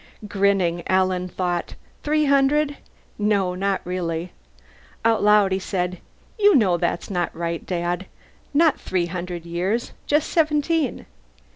Grinning, Alan thought, Three hundred? No, not really. Out loud he said, "You know that's not right, Dad. Not three hundred years. Just seventeen."